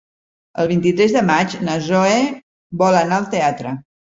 El vint-i-tres de maig na Zoè vol anar al teatre.